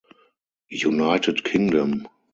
United Kingdom